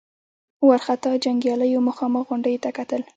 وارخطا جنګياليو مخامخ غونډيو ته کتل.